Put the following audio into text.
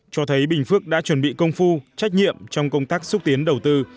cho thấy bình phước đã chuẩn bị công phu trách nhiệm trong công tác xúc tiến đầu tư